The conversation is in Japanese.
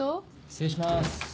失礼します。